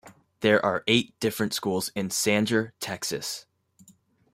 There are eight different schools in Sanger, Texas.